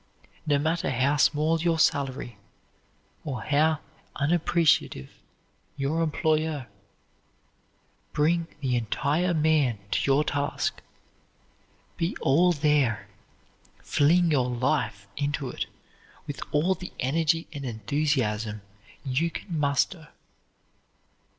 No matter how small your salary, or how unappreciative your employer, bring the entire man to your task; be all there; fling your life into it with all the energy and enthusiasm you can muster.